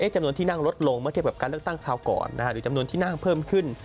จำนวนที่นั่งลดลงเมื่อเทียบกับการเลือกตั้งคราวก่อนหรือจำนวนที่นั่งเพิ่มขึ้น